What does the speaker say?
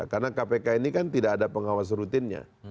karena kpk ini kan tidak ada pengawas rutinnya